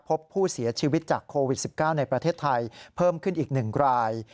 พบผู้เสียชีวิตจากโควิด๑๙ในประเทศไทยเพิ่มขึ้นอีก๑ราย